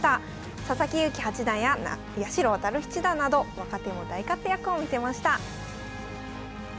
佐々木勇気八段や八代弥七段など若手も大活躍を見せました。